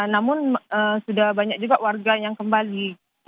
namun sudah banyak juga warga yang kembali